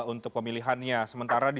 untuk pemilihannya sementara di